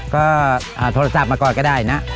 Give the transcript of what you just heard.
ก็โทรศัพท์มาก่อนก็ได้นะ